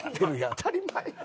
当たり前や。